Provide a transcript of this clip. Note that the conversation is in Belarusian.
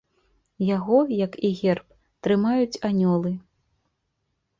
Яго, як і герб, трымаюць анёлы.